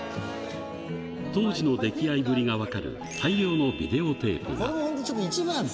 当時の溺愛ぶりが分かる大量のビデオテープが。